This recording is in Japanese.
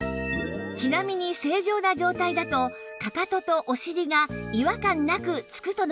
ちなみに正常な状態だとかかととお尻が違和感なくつくとの事